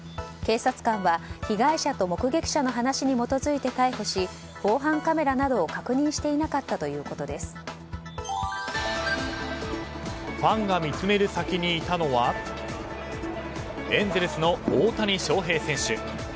警察官と被害者と目撃者の話に基づいて逮捕し防犯カメラなどを確認していなかったファンが見詰める先にいたのはエンゼルスの大谷翔平選手。